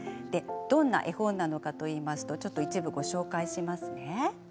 どんな絵本なのかといいますと一部ご紹介しますね。